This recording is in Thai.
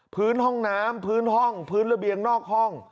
พื้นห้องน้ำพื้นห้องพื้นระเบียงนอกห้อง